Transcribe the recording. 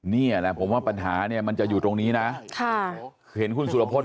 นี่แหละผมว่าปัญหาเนี่ยมันจะอยู่ตรงนี้นะค่ะเห็นคุณสุรพล